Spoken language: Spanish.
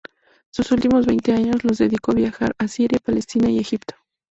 Sus últimos veinte años los dedicó a viajar a Siria, Palestina y Egipto.